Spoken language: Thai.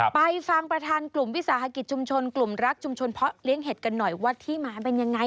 ไปฟังประธานกลุ่มวิสาหกิจชุมชนกลุ่มรักชุมชนเพาะเลี้ยงเห็ดกันหน่อยว่าที่มาเป็นยังไง